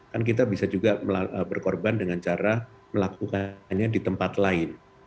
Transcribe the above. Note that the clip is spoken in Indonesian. kan kita bisa juga berkorban dengan cara melakukan hanya di tempat lain